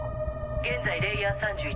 現在レイヤー３１。